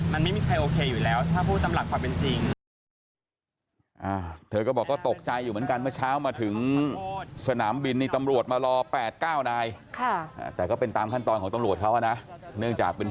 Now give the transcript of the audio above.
ก็ได้โอเคอยู่แล้วถ้าพูดสำหรับความเป็นจริง